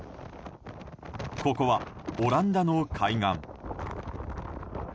ここは、オランダの海岸。